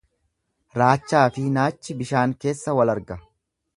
Raachaafi naachi bishaan keessa walarga.